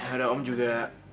ada om juga